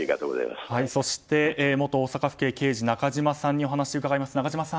そして、元大阪府警刑事中島さんにお話を伺います。